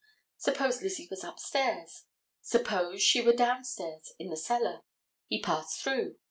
Suppose Lizzie was upstairs, suppose she were downstairs in the cellar. He passed through.